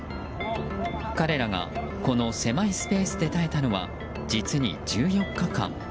彼らがこの狭いスペースで耐えたのは実に１４日間。